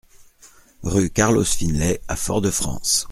Rue Carlos Finlay à Fort-de-France